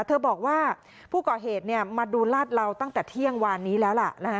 เธอบอกว่าผู้ก่อเหตุมาดูลาดเหลาตั้งแต่เที่ยงวานนี้แล้วล่ะ